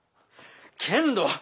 けんど。